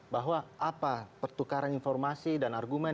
bahwa apa pertukaran informasi dan argumen